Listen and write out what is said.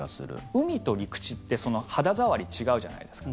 海と陸地って肌触り違うじゃないですか。